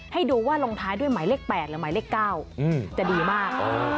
ให้ดูว่าลงท้ายด้วยหมายเลข๘หรือหมายเลข๙จะดีมาก